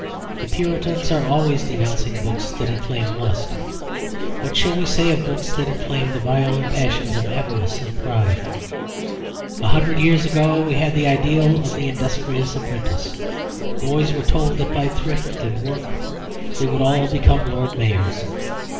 The Puritans are always denouncing books that inflame lust; what shall we say of books that inflame the viler passions of avarice and pride? A hundred years ago we had the ideal of the Industrious Apprentice; boys were told that by thrift and work they would all become Lord Mayors.